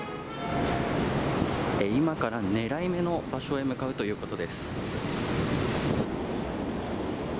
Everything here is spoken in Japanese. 今からねらい目の場所へ向かうということです。